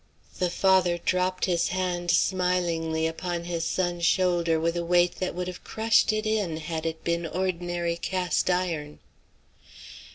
The father dropped his hand, smilingly, upon his son's shoulder with a weight that would have crushed it in had it been ordinary cast iron.